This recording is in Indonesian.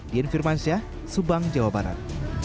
di infirmansya subang jawa barat